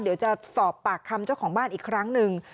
เดี๋ยวจะสอบปากคำเจ้าของบ้านอีกครั้งหนึ่ง